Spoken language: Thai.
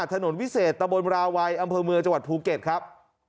ถนนวิเศษตะบนราวัยอำนาจจะวัดภูเก็ตครับ